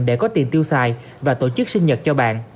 để có tiền tiêu xài và tổ chức sinh nhật cho bạn